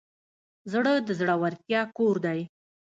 زړه د زړورتیا کور دی.